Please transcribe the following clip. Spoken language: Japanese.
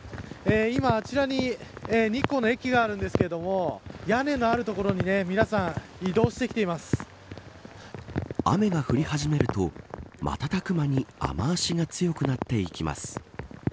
今こちらに日光の駅があるんですけど屋根のある所に雨が降り始めると瞬く間に雨脚が強くなっていきます。